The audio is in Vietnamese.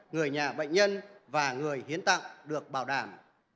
người nhà bệnh nhân và người hiến tặng được bảo đảm